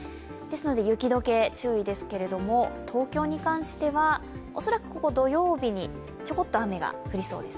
雪解け、注意ですけれども、東京に関しては恐らく土曜日にちょこっと雨が降りそうです。